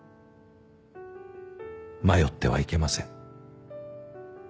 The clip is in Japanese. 迷ってはいけません。